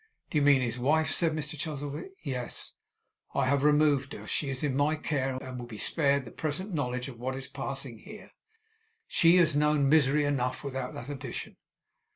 'Do you mean his wife?' said Mr Chuzzlewit. 'Yes.' 'I have removed her. She is in my care, and will be spared the present knowledge of what is passing here. She has known misery enough, without that addition.